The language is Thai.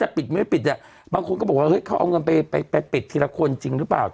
จะปิดไม่ปิดบางคนอ่ะว่าเขาเอาเงินไปไปปิดทีละคนจริงรึเปล่า